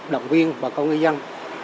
đồng viên và công nghệ dân